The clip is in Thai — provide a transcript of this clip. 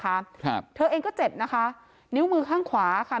ครับเธอเองก็เจ็บนะคะนิ้วมือข้างขวาค่ะ